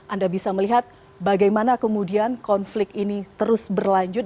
anda bisa melihat bagaimana kemudian konflik ini terus berlanjut